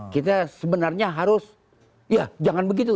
kita sebenarnya harus ya jangan begitu